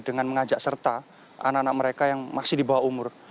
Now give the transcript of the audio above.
dengan mengajak serta anak anak mereka yang masih di bawah umur